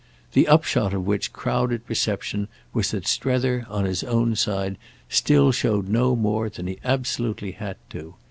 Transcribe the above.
The upshot of which crowded perception was that Strether, on his own side, still showed no more than he absolutely had to.